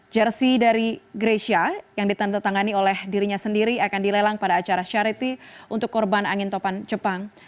jersi dari grecia yang ditandatangani oleh dirinya sendiri akan dilelang pada acara syariti untuk korban angin topan jepang